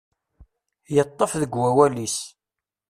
Yeṭṭef deg wawal-is.